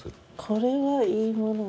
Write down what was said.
これはいいもの。